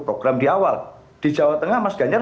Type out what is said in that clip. program di awal di jawa tengah mas ganjar